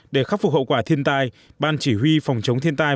để khắc phục hậu quả thiên tai ban chỉ huy phòng chống thiên tai